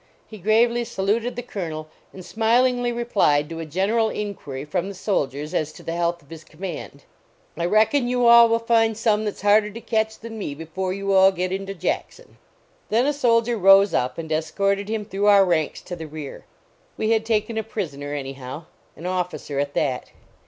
He gravely saluted the Colonel, and smilingly replied to a gen eral inquiry from the soldiers as to the health of his command : "I reckon you all will find some that s harder to catch than me before you all get into Jackson." Then a soldier rose up and escorted him through our ranks to the rear. We had taken a prisoner, anyhow; an officer, at that.